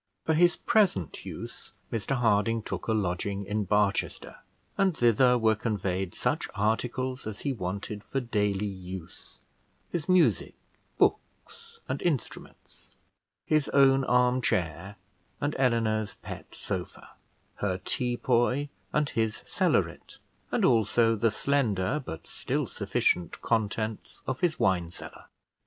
For his present use Mr Harding took a lodging in Barchester, and thither were conveyed such articles as he wanted for daily use: his music, books, and instruments, his own arm chair, and Eleanor's pet sofa; her teapoy and his cellaret, and also the slender but still sufficient contents of his wine cellar.